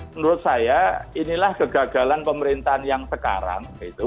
menurut saya inilah kegagalan pemerintahan yang sekarang